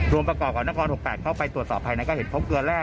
ประกอบกับนคร๖๘เข้าไปตรวจสอบภายในก็เห็นพบเกลือแร